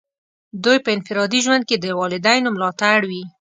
دوی په انفرادي ژوند کې د والدینو ملاتړ وي.